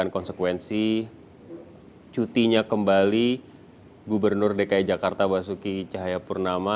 konsekuensi cutinya kembali gubernur dki jakarta basuki cahayapurnama